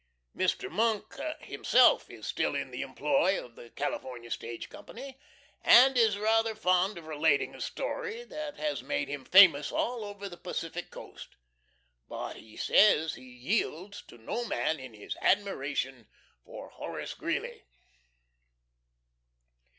Mr. Monk himself is still in the employ of the California Stage Company, and is rather fond of relating a story that has made him famous all over the Pacific coast. But he says he yields to no man in his admiration for Horace Greeley.